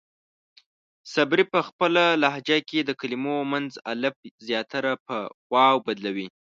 صبري پۀ خپله لهجه کې د کلمو منځ الف زياتره پۀ واو بدلوي.